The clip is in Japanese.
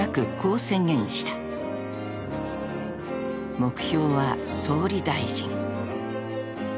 ［「目標は総理大臣」］